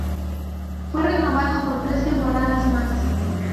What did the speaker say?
Fue renovado por tres temporadas más.